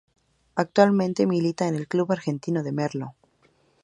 Actualmente milita en el Club Argentino de Merlo.